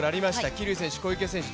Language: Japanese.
桐生選手、小池選手